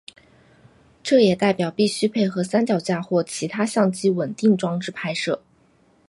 这也代表必须配合三脚架或其他相机稳定装置拍摄。